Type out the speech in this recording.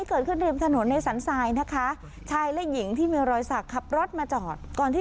เมื่อจะได้อย่างไรขอปิดแมน